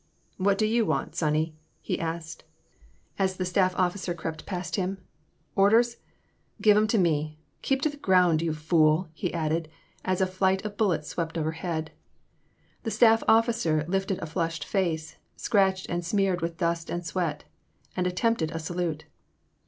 What do you want, sonny?" he asked, as In the Name of the Most High. 201 the staff officer crept past liim, —orders ? Give 'em to me — keep to the ground, you fool/' he added, as a flight of bullets swept overhead. The staff officer lifted a flushed face, scratched and smeared with dust and sweat, and attempted a salute.